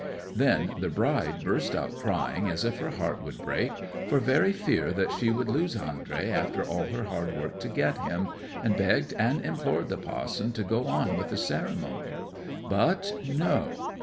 'Then the bride burst out crying as if her heart would break, for very fear that she would lose Andrey after all her hard work to get him, and begged and implored the pa'son to go on with the ceremony. But no.